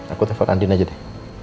aku tefal andin aja deh